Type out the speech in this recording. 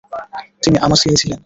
তিনি আমাসিয়ায় ছিলেন।